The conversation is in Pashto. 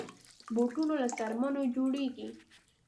بوټونه له څرمنو جوړېږي.